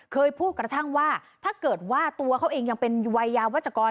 เคยพูดกระทั่งว่าถ้าเกิดว่าตัวเขาเองยังเป็นวัยยาวัชกร